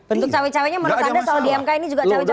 untuk cawe cawe nya menurut anda soal dmk ini juga cawe cawe gak